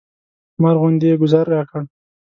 مار غوندې یې ګوزار راکړ.